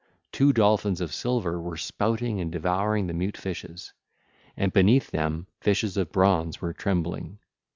Two dolphins of silver were spouting and devouring the mute fishes. And beneath them fishes of bronze were trembling.